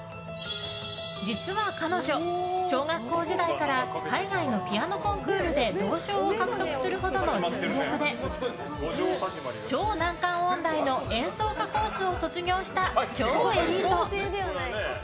実は彼女、小学校時代から海外のピアノコンクールで銅賞を獲得するほどの実力で超難関音大の演奏家コースを卒業した超エリート。